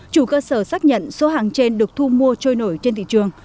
chủ cơ sở xác nhận số hàng trên được thu mua trôi nổi trên thị trường